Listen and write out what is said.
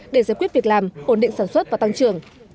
để giải quyết việc làm ổn định sản xuất và tăng trưởng